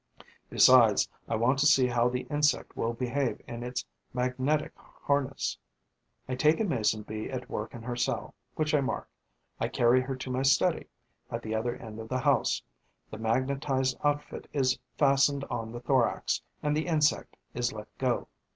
Besides, I want to see how the insect will behave in its magnetic harness. I take a Mason bee at work in her cell, which I mark. I carry her to my study, at the other end of the house. The magnetised outfit is fastened on the thorax; and the insect is let go.